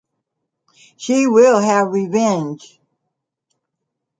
She will have revenge.